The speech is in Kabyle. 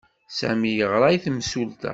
Sami yeɣra i yimsulta.